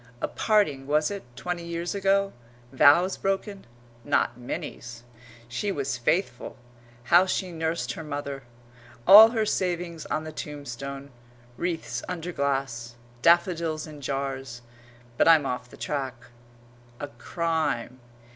A parting, was it, twenty years ago? Vows broken? Not Minnie's!... She was faithful. How she nursed her mother! All her savings on the tombstone wreaths under glass daffodils in jars. But I'm off the track. A crime....